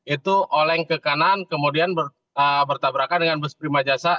itu oleng ke kanan kemudian bertabrakan dengan bus prima jasa